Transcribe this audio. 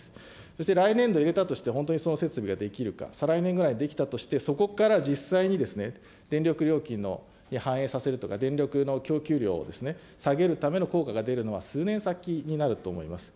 そして来年度入れたとして、本当にその設備ができるか、再来年ぐらいに出来たとして、そこから実際に電力料金に反映させるとか、電力の供給量を下げるための効果が出るのは数年先になると思います。